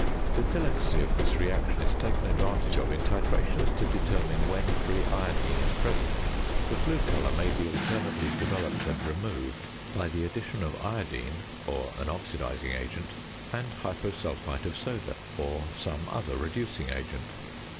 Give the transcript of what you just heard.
The delicacy of this reaction is taken advantage of in titrations to determine when free iodine is present. The blue colour may be alternately developed and removed by the addition of iodine (or an oxidising agent) and hyposulphite of soda (or some other reducing agent).